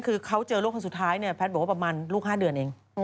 คือเขาเจอลูกคนสุดท้ายเนี่ยแพทย์บอกว่าประมาณลูก๕เดือนเอง